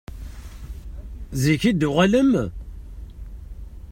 Zik i d-tuɣalem?